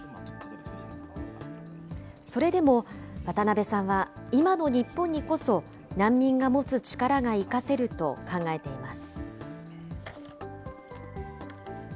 それでも渡部さんは、今の日本にこそ難民が持つ力が生かせると考えています。